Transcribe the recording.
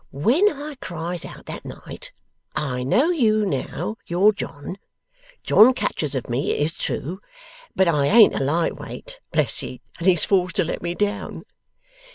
When I cries out that night, "I know you now! you're John!" John catches of me, it is true; but I ain't a light weight, bless ye, and he's forced to let me down.